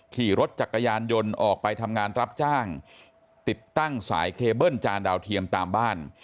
ขี่รถจักรยานยนต์ออกไปทำงานรับจ้างติดตั้งสายเคเบิ้ลจานดาวเทียมตามบ้าน